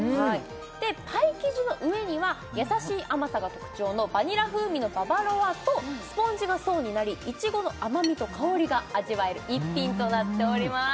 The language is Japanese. パイ生地の上には優しい甘さが特徴のバニラ風味のババロアとスポンジの層になりいちごの甘みと香りが味わえる逸品となっております